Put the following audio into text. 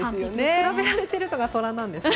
比べられているのがトラなんですね。